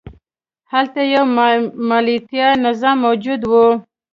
هلته یو مالیاتي نظام موجود و